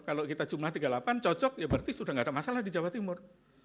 kalau kita jumlah tiga puluh delapan cocok ya berarti sudah tidak ada masalah di jawa timur